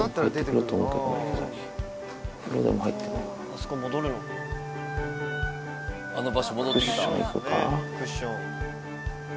あそこ戻るの？